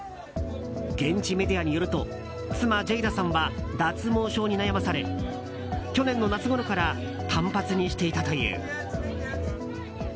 現地メディアによると妻ジェイダさんは脱毛症に悩まされ去年の夏ごろから短髪にしていたという。